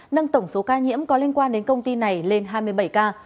nâng tổng số ca nhiễm có liên quan đến công ty này lên hai mươi bảy ca